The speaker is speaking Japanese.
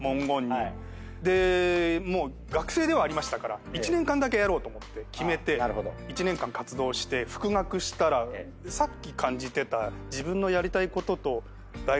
もう学生ではありましたから１年間だけやろうと思って決めて１年間活動して復学したらさっき感じてた。